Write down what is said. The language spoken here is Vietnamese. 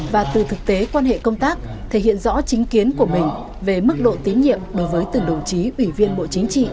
và từ thực tế quan hệ công tác thể hiện rõ chính kiến của mình về mức độ tín nhiệm đối với từng đồng chí ủy viên bộ chính trị